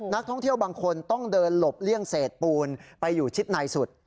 นักท่องเที่ยวบางคนต้องเดินหลบเลี่ยงเศษปูนไปอยู่ชิดในสุด